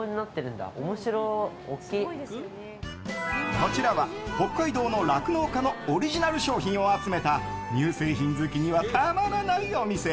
こちらは北海道の酪農家のオリジナル商品を集めた乳製品好きにはたまらないお店。